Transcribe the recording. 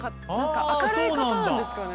明るい方なんですかね？